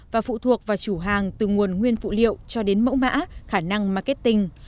và phụ thuộc vào chủ hàng từ nguồn nguyên phụ liệu cho đến mẫu mã khả năng marketing